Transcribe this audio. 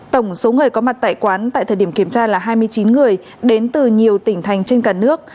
tổng số người có mặt tại quán tại thời điểm kiểm tra là hai mươi chín người đến từ nhiều tỉnh thành trên cả nước